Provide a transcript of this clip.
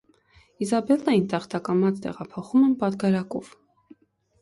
Իզաբելլային տախտակամած տեղափոխում են պատգարակով։